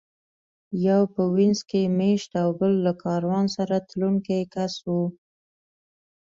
یو په وینز کې مېشت و او بل له کاروان سره تلونکی کس و